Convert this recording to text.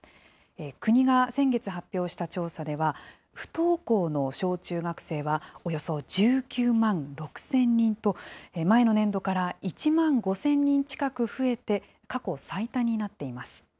国が先月発表した調査では、不登校の小中学生はおよそ１９万６０００人と、前の年度から１万５０００人近く増えて過去最多になっています。